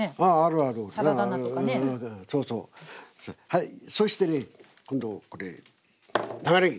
はいそしてね今度これ長ねぎ。